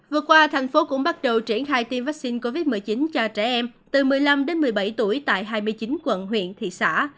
vừa qua thành phố cũng bắt đầu triển khai tiêm vaccine covid một mươi chín cho trẻ em từ một mươi năm đến một mươi bảy tuổi tại hai mươi chín quận huyện thị xã